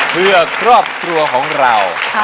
เพื่อครอบครัวของเรา